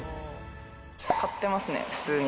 買ってますね、普通に。